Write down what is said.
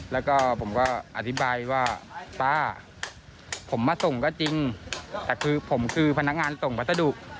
แล้วก็ผมก็อธิบายว่าป้าผมมาส่งก็จริงแต่คือผมคือพนักงานส่งพัสดุ